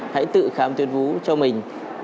hãy tự khám tuyến vú cho mình